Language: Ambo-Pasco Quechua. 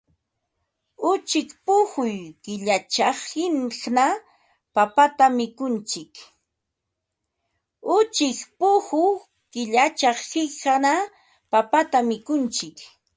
Uchik puquy killachaq qiqna papatam mikuntsik.